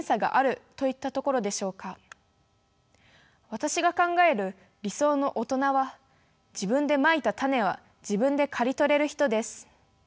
私が考える理想の大人は自分でまいた種は自分で刈り取れる人です。